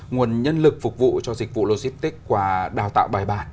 nguồn nhân lực phục vụ cho dịch vụ logistics qua đào tạo bài bản